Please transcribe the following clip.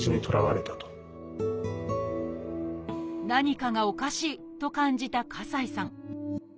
何かがおかしいと感じた西さん。